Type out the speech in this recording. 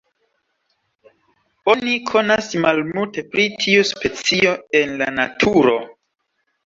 Oni konas malmulte pri tiu specio en la naturo.